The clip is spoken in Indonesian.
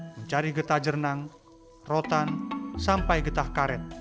mencari getah jernang rotan sampai getah karet